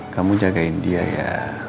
kamu jagain dia ya